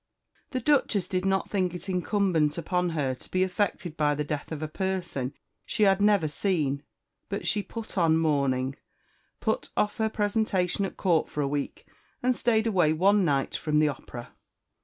The Duchess did not think it incumbent upon her to be affected by the death of a person she had never seen; but she put on mourning; put off her presentation at Court for a week, and stayed away one night from the opera.